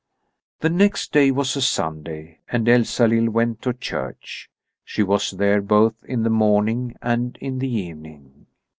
The next day was a Sunday, and Elsalill went to church. She was there both in the morning and in the evening.